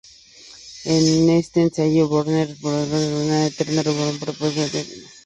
En este ensayo Borges supone una "refutación" del Eterno Retorno propuesto por Nietzsche.